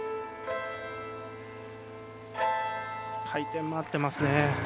回転も合ってますね。